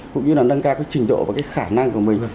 cũng như là nâng cao cái trình độ và cái khả năng của mình